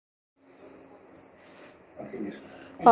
Eventually three towers and part of the wall came down.